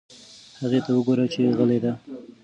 هغې ته وگوره چې غلې ده.